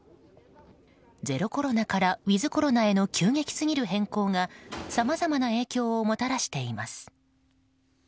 ゼロコロナからウィズコロナへの急激すぎる変更がさまざまな影響をもたらしています。